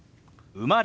「生まれ」。